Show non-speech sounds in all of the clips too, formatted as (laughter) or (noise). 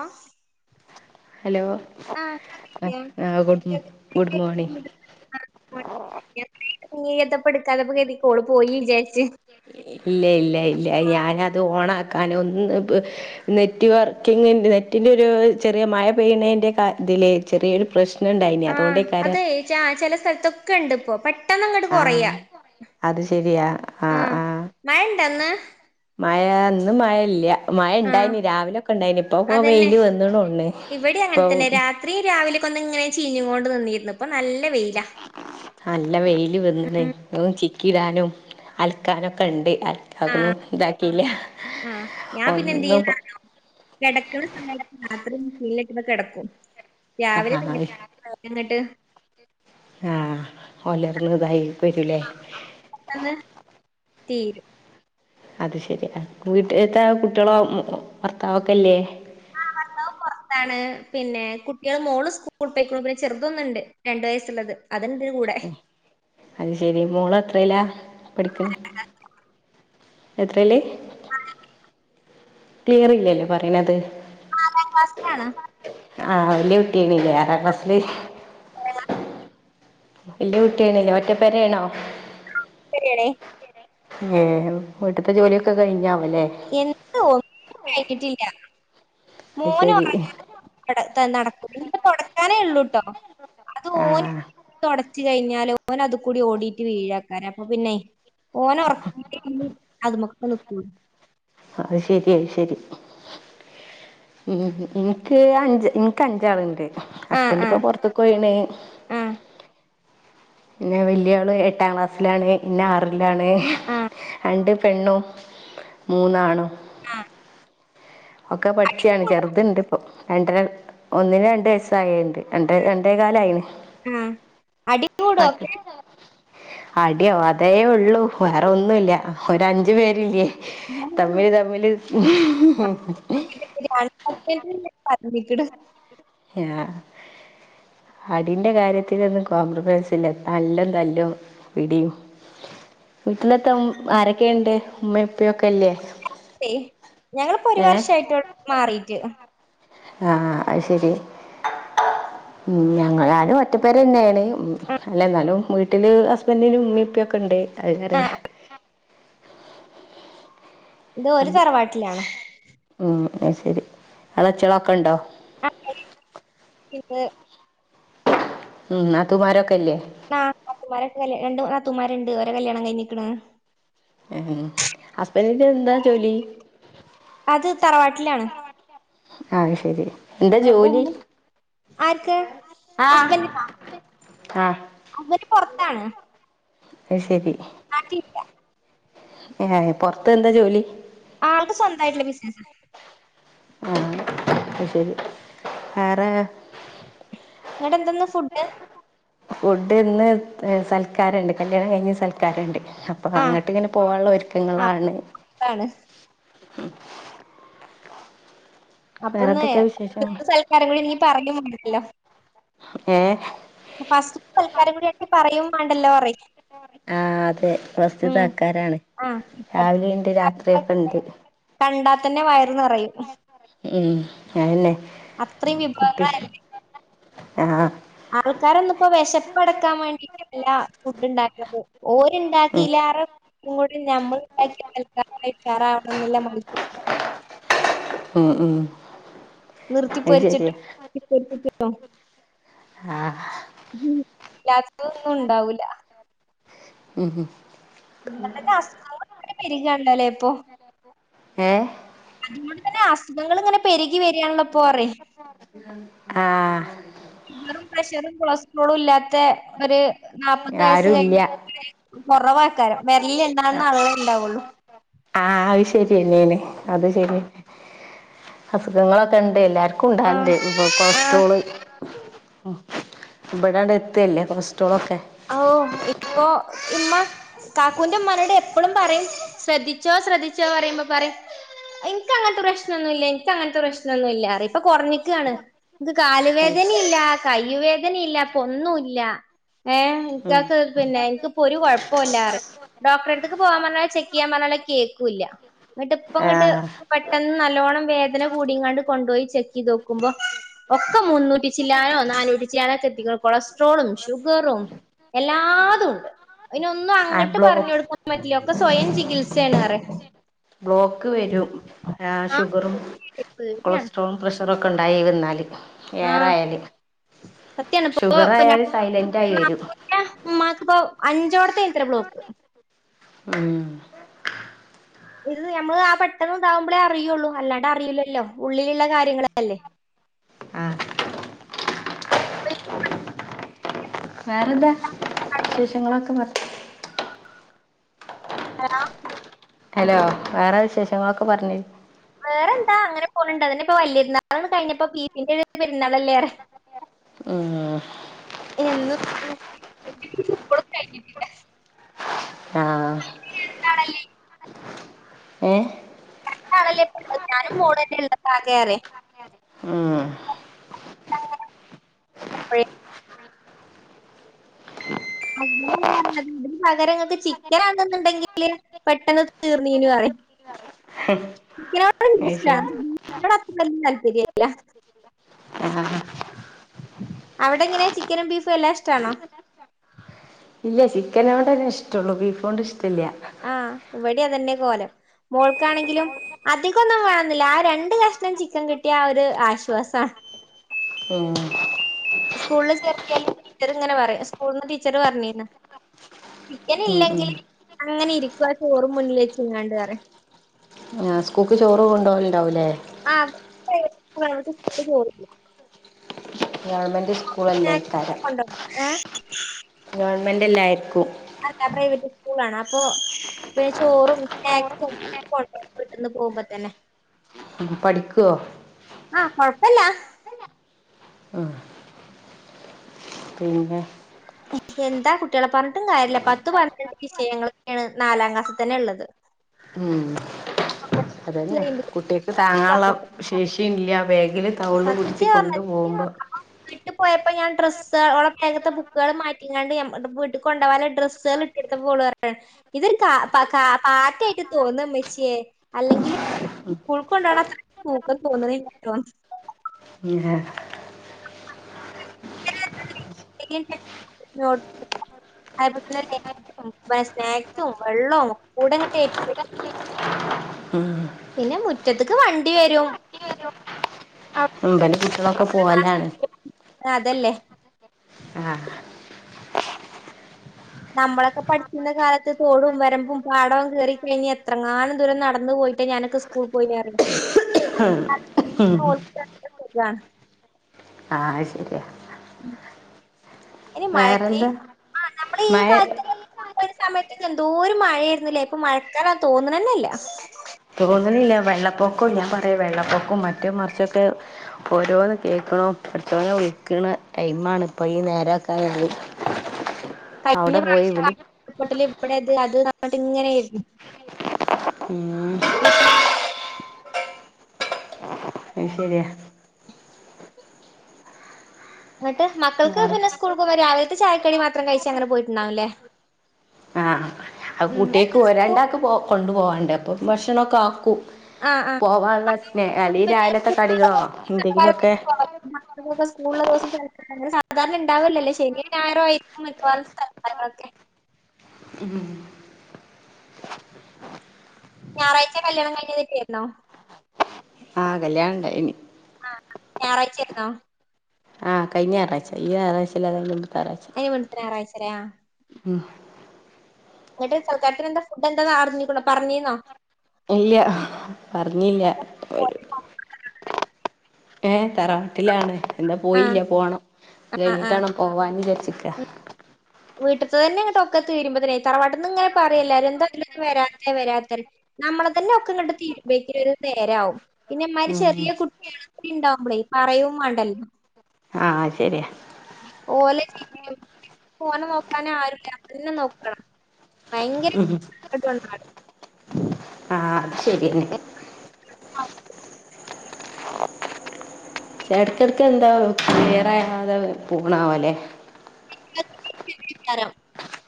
ആ ഹലോ ആ good good morning good morning ring കേട്ടിട്ട് എടുക്കാത്തപ്പം കോള് പോയിന്ന് വിചാരിച്ചു ഇല്ല ഇല്ല ഇല്ല ഞാൻ അത് ഓണാ ആക്കാൻ ഒന്ന് നെറ്റ് വർക്കിങ്ങിന്റെ ഇത് അതിന്റെ ഒരു ചെറിയ മഴ പെയണതിന്റെ ഇതിലെ ചെറിയൊരു പ്രശ്ന ആ അതെ ചില സ്ഥലത്തൊക്കെ ഉണ്ട് ഇപ്പോ പെ പെട്ടെന്ന് അങ്ങോട്ട് ആ കുറയാ ആ മഴ ഉണ്ടോ ഇന്ന് മഴ ഇന്നു മഴ ഇല്ല മഴ ആ ഇണ്ടായിന് രാവിലെക്കെ ഇണ്ടായിന് ഇപ്പൊ പോ അതന്നെ വെയില് ഇവിടെ വന്നോണ്തോന്നുന്നുഇപ്പൊ അങ്ങനെ തന്നെ രാത്രി രാവിലെ ഒന്ന് ഇങ്ങനെ ചീഞ്ഞുകൊണ്ട് നിന്നിരുന്നു ഇപ്പൊ നല്ല വെയിലാ നല്ലവെയില് വന്നണേ അത് ഒന്ന് ചിക്കിയിടാനും അലക്കാനും ഒക്കെ ഉണ്ട് അ ആ അതെക്കെന്ന് ഇതാക്കിയില്ല ആ ഞാൻ പിന്നെ എന്ത് ഒന്നും ചെയ്യുന്നറിയോ കിടക്കുന്ന സമയത്ര ഒന്ന് കിടക്കും രാവിലെ ആഹ് (unintelligible) ആ പുലർന്ന് ഇതായി വരൂല്ലേ തീരും അത് ശെരിയാ വീട്ടത്തെ കുട്ടികളോ ഭർത്താവൊക്കെയില്ലേ ആ ഭർത്താവ്പുറത്താണ് പിന്നെ കുട്ടികൾ മോള് സ്കൂളിൽ പോയിക്ക ണ്പിന്നെ ചെറുതൊന്നുണ്ട് രണ്ടു വയസ്സുള്ളത് അതുണ്ട് ഇതിന്റെ കൂടെ ഉംഅത് ശരി മോള എത്രയിലാ പഠിക്കണേ എത്രയില് (unintelligible) ക്ലിയർ ഇല്ലല്ലേ പറയണത് ആറാം ക്ലാസിലാണ് ആഹ് വല്യ കുട്ടിയാണല്ലെ ആറാം ക്ലസില് വല്യ കുട്ടിയാണല്ലേ ഒറ്റ പേര ആണോ ശരിയാണ് ഏഹ് വീട്ടത്തെ ജോലിയൊക്കെ കഴിഞ്ഞാ എന്ത് ഒന്നും കഴിഞ്ഞിട്ടില്ല അത് മോന് ശരി ഉറങ്ങാതെ ഒന്നും നടക്കും എനിക്ക് തുടക്കാനേ ഉള്ളൂട്ടോ അത് ഓന് ആഹ് തുടച്ച കഴിഞ്ഞാല് ഓന അത് കൂടി ഓടിട്ട് വീഴാക്കാര അപ്പൊ പിന്നെ ഓന് ഉറക്കിട്ടെ അതുമൊക്കെ നിക്കൂ അത് ശരി അത് ശരി ഉം എനിക്ക് അഞ്ച് എനിക്ക് അഞ്ചാളുണ്ട് ആ ഹസ്ബൻഡ് ആ ഇപ്പോ പൊറത്തേക്ക് പോയിണ് ആ പിന്നെ വല്യയ ആള് എട്ടാം ക്ലാസ്സിലാണ് പിന്നെ ആറിലാണ് ആ രണ്ട് പെണ്ണും മൂന്നാണും ആഹ ഒക്കെ പഠിച്ചാണ് ചെറുതുണ്ട് ഇപ്പൊ രണ്ടര ഒന്നിന് രണ്ട് വയസ്സ് ആയണ്ട് രണ്ട് രണ്ടര കാലായിന് ആഹ് അടി ബാക്കി കൂടൊക്കെ അടിയോ അതേ ഉള്ളൂ വേറെ ഒന്നുമില്ല ഓര് അഞ്ചു പേരില്ലേ ഒക്കെ തമ്മില് തമ്മില് പറഞ്ഞ (unintelligible) ഇട് ആഹ് (inaudible) അടിന്റെ കാര്യത്തിത്തിലൊന്നും കോപ്രമൈസ് ഇല്ല നല്ല തല്ലും പിടിയും വീട്ടിലത്തെ ആരൊക്കെയുണ്ട് ഉമ്മയും ഉപ്പയൊക്കെ തെ ഞങ്ങളിപ്പോ ഒരു ഏ വർഷയിട്ടോ മാറിട്ട് ആഹ് അത് ശരി (inaudible) ഞങ്ങളാലും ഒറ്റപ്പേര് തന്നെയാണ് ആഹ് അല്ല എന്നാലും വീട്ടിൽ ഹസ്ബൻൻ്റിൻ്റെ ഉമ്മിയും ഉപ്പയും ഒക്കെ ഉണ്ട് അത് ആഹ് ഇത് ഓര തറവാട്ടിലാണ് അത്ശരി അളച്ചളൊക്കെ ഉണ്ടോ ആ (unintelligible) ഉം നാത്തുൻന്മാരെക്കെ ആ നാത്തുമാരൊക്കെല് രണ്ട് നാത്തുൻന്മാരുണ്ട് ഓരെ കല്യാണം കഴിഞ്ഞിക്കണ് ഉം ഹസ്ബൻൻ്റിൻ്റെ എന്താ ജോലി ത് തറവാട്ടിലാണ് ആത് ശരി എന്താ ആ, ജോലി ഉമ്മ ആർക്ക് ആഹ് ഹസ്ബൻഡിനാ ആ പുറത്താണ് അത് ശരി (unintelligible) ല്ലാ ഏഹ് പൊറത്ത് എന്താ ജോലി ആൾക്ക് സ്വന്തമായിട്ടുള്ള ബിസിനസാ ആഹ് അത് ശരി വേറെ നിങ്ങടെ എന്താന്ന് ഫുഡ് ഫുഡ് ഇന്ന് സൽക്കാരം ഉണ്ട് കല്യാണം കഴിഞ്ഞ് സൽക്കാരം സൽക്കാരുണ്ട് അപ്പൊ ആഹ് അങ്ങോട്ട് ഇങ്ങനെ പോവാനുള്ള ഒരുക്കങ്ങളാണ് അപ്പാണ് മ് അപ്പൊന്ന് വിശേഷങ്ങൾ സൽക്കാരം കൂടി നീ പറഞ്ഞ പോണ്ടല്ലോ ഏഹ് ഫസ്റ്റ് സൽക്കാരം കൂടി ആട്ടി പറയുകയും വേണ്ടല്ലോ ആ അതെ പ്രസ്തുത ഉം ആൾക്കാരാണ് ആഹ് ഇപ്പത്തെ രാവിലെ ഉണ്ട് രാത്രിക്കെ ഉണ്ട് കണ്ടാത്തന്നെ വയറ്നിറയും ഉം അതന്നെ കുട്ടി ആ ആൾക്കാര് ഒന്നിപ്പോ വിശപ്പ്ടക്കാൻ വേണ്ടിട്ടല്ല ഫുഡ് ഉണ്ടാക്കണത് ഉം ഓര്ണ്ടാക്കിലാറെ കൂടി ഞമ്മൾ ഉണ്ടാക്കിൽക്ക കഴിക്കാറാവണെന്നില്ല മത്സ് ആഹ് ആഹ് നിർത്തി പൊരിച്ചിട്ടും (unintelligible) ആഹ് ഉല്ലാത്തത്തൊന്നും ഉണ്ടാവൂല ഉം (unintelligible) പേരുഗാണല്ലോ ഇപ്പൊ ഏഹ് അതുകൊണ്ട് തന്നെ അസുഖങ്ങൾ ഇങ്ങനെ പെരുകി പെരുകി വരുകയാണല്ലോ ഇപ്പൊ കുറേ ആഹ് ഷുഗർ പ്രശർ കൊളസ്ട്രോൾ ട്രോൾ ഇല്ലാത്ത ഒരു നാല്പ്പത് വയസ്സ് കഴിഞ്ഞ ആരുല്ല ആൾക്കാര് കുറവാൾക്കാരാണ് വെരലില് എണ്ണാവുന്ന ആൾക്കളെ ഇണ്ടാവുള്ളൂ ആഹ് അത് ശരിയന്നെയാണ് അത് ശരിയാ അസുഖങ്ങളൊക്കെ ഉണ്ട് എല്ലാർക്കും ഉണ്ടേ ആഹ് ഇ ആഹ് കൊളസ്ട്രോള് ഉ ഇവിടണ്ട് എത്തയല്ലേ കൊളസ്ട ഓ ഇപ്പൊ ഇമ്മ കാക്കുവിന്റെ ഉമ്മാനോട് എപ്പളും പറയും ശ്രദ്ധിച്ചോ ശ്രദ്ധിച്ചോ പറയുമ്പോ പറയും എനക്ക് അങ്ങനത്തെ പ്രശ്നംന്നു ഇല്ല എനിക്ക അങ്ങനത്തെ പ്രശ്നംന്നു ഇല്ല എന്ന് പറയും ഇപ്പൊ കുറഞ്ഞിക്കണ് ഇ കാലുവേദനയില്ല കയ്യ് വേദന ഇല്ല ഇപ്പൊന്നും ഇല്ല ഏഹ് എനിക്ക ഉം പിന്നെ എനിക്കിപ്പൊ ഒരു കുഴപ്പമല്ലാന്ന് പറയും ഡോക്ടറെടുത്തേക്ക് പോവാ പറഞ്ഞാൽ ചെക്ക് ചെയ്യാൻ പറഞ്ഞൽ കേക്കൂ ല്ല എന്നിട്ട് ഇപ്പ ഇങ്ങോട്ട് ആഹ് പെട്ടെന്ന് നല്ലോണം വേദന കൂടി ഇങ്ങാണ്ട് കൊണ്ട് പോയി ചെക്ക് ചെയ്തോക്കുമ്പോ ഒക്കെ മുന്നൂറ്റി ചില്ലാനോ നാനൂറ്റി ചില്ലാനോ കെത്തിക്ക കൊളസ്ട്രോളും ട്രോളും എല്ലാതും ഉണ്ട് അതിനൊന്നും അങ്ങോട്ട് ബ്ലോ പറഞ്ഞു കൊടുക്കൻ പറ്റില്ല ഇ സ്വയം ചികിത്സയാണ് പറയും ബ്ലോക്ക് വരും ആ ഷുഗറും പേടിയാണ് കൊളസ്ട്രോളും പ്രഷറൊക്കെ ഉണ്ടായി വന്നാൽ ആ യേറെയാല് സത്യാണ് ഇപ്പൊ ഷുഗർ പിന്നെ ആയാല് സൈലന്റ് ആയി വരും ഉമ്മാക്കിപ്പോ അഞ്ചോടത്തെ ഇത്ര ബ്ലോക്ക് ഉ ഇത് നമ്മള് ആ പെട്ടെന്ന് ഇതാവുമ്പളെ അറിയുള്ളൂ അല്ലാണ്ട് അറിയില്ലല്ലോ ഉള്ളി ഉള്ളിലുള്ള കാര്യങ്ങൾ അല്ലെ ആ വേറെന്താ വിശേഷങ്ങളൊക്കെ മാറ്റ ഹലോ ഹലോ വേറെ വിശേഷങ്ങളൊക്കെ പറഞ്ഞെ വേറെ എന്താ അങ്ങനെ പോണുണ്ട് അതി ഇപ്പൊ വലിയ പെരുന്നാള് കഴിഞ്ഞപ്പോ ബീഫിന്റെ പരുന്നാളല്ലേറെ (inaudible) ആഹ് ഒ കഴിഞ്ഞിട്ടില്ല ആ ല്ലെ ഏ രണ്ട് ആളല്ലേ ഉള്ളെ ഞാനും മോളും തന്നല്ലെ ഉം (unintelligible) അങ്ങനെ ഇതിന് പകരങ്ങക്ക് ചിക്കനാണെന്നണ്ടെങ്കില് പെട്ടെന്ന് തീർന്നീനു പറയും (inaudible) ഹ (unintelligible) അപ്പന്നും താല്പര്യല്ല ആ അവിടെ എങ്ങനെയാ ചിക്കനും ബീഫും എല്ലാം ഇഷ്ടാണോ ഇല്ല ചിക്കനോട് ഒരു ഇഷ്ടോള്ളൂ ബീഫോണ്ട് ഇഷ്‌ടീല്യ ആഹ് ഇവിടെ അതന്നെ കോലം മോൾക്കാണെങ്കിലും അധികൊന്നും വേണെന്നില്ല ആ രണ്ട് കഷണം ചിക്കൻ കിട്ടിയ ഒരു ആശ്വാസ ഉം സ്കൂളിൽ ചേർത്തിയാലും ടീച്ചർ ഇങ്ങനെ പറയാ സ്കൂളിൽന്ന് ടീച്ചർ പറഞ്ഞീന്ന് ചിക്കൻ ഉം ഉം ഇല്ലെങ്കിൽ അങ്ങനെ ഇരിക്കുവ ചോറും മുന്നിൽ വച്ച ങ്ങാണ്ട് റിയു (inaudible) ആ സ്കൂൾക്ക് ചോറ് കൊണ്ടോവല് ഉണ്ടാവും ല്ലേ അ സ്കൂൾക്ക് ഗവണ്മെൻറ് സ്കൂളല്ലേക്കാ രം കൊണ്ടോണം (inaudible) ഗവൺമെന്റ് എല്ല ആരിക്കും പ്രൈവറ്റ് സ്കൂൾ ആണ് അപ്പൊ പിന്നെ ചോറും സ്നാക്സും കൊണ്ടോവും ഇവിടുന്നു പോകുമ്പോ തന്നെ പഠിക്കോ ആഹ് കൊഴപ്പല്ല ഉം പിന്നെ ആ എന്താ കുട്ടികളെ പറഞ്ഞിട്ടും കാര്യമില്ല പത്ത് പന്ത്രണ്ട് വിഷയങ്ങളൊക്കെയാണ് നാലാം ക്ലാസിൽ തന്നെ ഉള്ളത് ഉം അതന്നെ കുട്ടിക്ക് താങ്ങാനുള്ള ശേഷിയ ഇല്ല വേഗ എങ്ക കൗള്ള് പിടിച്ച സത്യം പറഞ്ഞാ കൊണ്ടു പൊമ്പോ വീട്ട് പോയപ്പോ ഞാൻ ഡ്രസ്സ്ളടെ വേഗത്തെ ബുക്കുകൾ മാറ്റിങ്ങാണ്ട് വീട്ടിൽ കൊണ്ടപകല്ല ഡ്രസ്സുകൾ ഇട്ടെടുത്തപ്പോ ഇതൊരു കാ കാ പാറ്റായിട്ട് തോന്ന മേച്ചിയെ അല്ലെങ്കിൽ ഉൾക്കൊണ്ടാണ് തൂക്കം തോന്നുന്നോ ഉം (unintelligible) നോ അതപോലെ തന്നെ സ്നാക്സും വെള്ളവും കൂടെങ്ങട്ടറ്റൻ പറ്റ പിന്നെ മുറ്റത്തക്ക് വണ്ടി വരും അവിടെ ഉുമ്പന്റെ കുട്ടികളൊക്കെ പോവല്ലാണ് ആ അതല്ലേ നമ്മളൊക്കെ പഠിക്കുന്ന കാലത്ത് തോടും വരമ്പും പാടവും കേറി കഴിഞ്ഞഞ് എത്രങ്ങാനം ദൂരം നടന്നു പോയി പോയിട്ട് ഞാനൊക്കെ സ്കൂൾ പോയിന്നറിയോ ആഹ ഹ ആണ് ആ ശരിയാ ഇനി മഴക്ക് വേറെന്താ ആ നമ്മൾ ഈ മഴ കാറ്റ (unintelligible) സമയത്ത് എന്തോരം മഴയരുന്നില്ലേ ഇപ്പൊ മഴക്കാലന്ന് തോന്നണ നെല്ല തോന്നുന്നില്ല വെള്ളപ്പൊക്കവും ഞാൻ പറയാ വെള്ളപ്പൊക്കും മറ്റ മറിച്ചൊക്കെ ഓരോന്ന് കേക്കും ഇപ്പോ പടച്ചോനെ വിളിക്കണ ടൈ ആണ് ഇപ്പ ഈനേരെ ക്കായാല് (unintelligible) കഴിഞ്ഞ പ്രാവശ്യംട്ടല ഇവിടെത് അത് നിട്ട് ഇങ്ങനൊയിരുന്നു ഉം ഇ അ ശരിയ എന്നിട്ട് മക്കൾക്ക് വേറെ പിന്നെ സ്കൂൾ പോകുമ്പോം രാവിലത്തെ ചായക്കടി മാത്രം കഴിച്ച അങ്ങനെ പോയിട്ടുണ്ടാവല്ലേ ആഹ ആ കുട്ടിയക്ക് രണ്ടാക്കെ പോ കൊണ്ടു പോവാണ്ട് അപ്പം ഭക്ഷണൊക്കെ ആക്കൂ പോവാനുള്ള സ്നെ അല്ല പിന്നെ രാവിലത്തെ സ്കൂളിലുള്ള കടികളോ എന്തെങ്കിലുക്കെ സ്കൂള്ള ദിവസംല സാധാരണ ഉണ്ടാവില്ലല്ലേ ശനി ഞായറും ഒഴികെ മുള്ളങ്ങളൊക്കെ (inaudible) ഞായറാഴ്ച കല്യാണം കഴിഞ്ഞിട്ടിായിരുന്നോ ആഹ കല്യാണണ്ട ഇനി ആ, ഞായറാഴ്ച്ച ആയിരുന്നോ ആ കഴിഞ്ഞ ഞായറഴ്ച, ഈ ഞയറാഴ്ച്ച അല്ല അതിന് മുന്നത്തെ ഞായറാഴ്ചയാലെ ഉം നട്ട് സൽക്കാരത്തിന് എന്താ ഫുഡ് എന്താന്നാ അറിഞ്ഞിക്കണോ പറഞ്ഞിന്നോ. ഇല്ല പറഞ്ഞില്ല ഒരു ഏ തറവാട്ടിലാണ് എന്താ ആ. പോയില്ല പോണം, ഇത് ആ. കഴിഞ്ഞിട്ടണോ പോവാൻ വിചരിച്ച്. ഇല്ല വീട്ടിത്തെ തന്നെ ഇങ്ങോട്ട് ഒക്കെ തീരുമ്പോ തന്നെ തറവാട്ടിന്ന് ഇങ്ങനെ പറയും എല്ലാരും. എന്താതിലെ വരാത്ത വരാത്ത നമ്മളെ തന്നെ ഒക്കെ അങ്ങട്ട് തീരുമ്പേക്ക ഒരു നേരാവും. പിന്നെ ഈ മാതിരി ഉം ചെറിയ കുട്ടികളക്കെ ഉണ്ടാവുമ്പോളേ പറയവും വേണ്ടല്ലോ. ആ ശരിയാണ്. മോനെ നോക്കാന് ആരുല്ല ഞാൻ തന്നെ നോക്കണം. ഭയങ്കര ഉം (unintelligible) ആ അത് ശരിന്നെ. ആ എടക്കിടക്ക് എന്താ ക്ലിയറാകാതെ പോണ പോലെ. (unintelligible)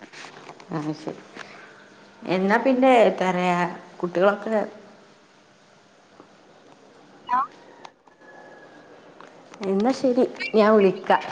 ആ, ശരി എന്നാ പിന്നെ എന്താ പറയാ കുട്ടികളൊക്കെ ആ എന്നാ ശരി ഞാൻ വിളിക്കാം.